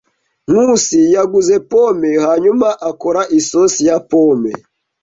Nkusi yaguze pome hanyuma akora isosi ya pome.